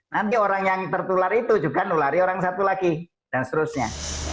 nanti orang yang tertular itu juga nulari orang satu lagi dan seterusnya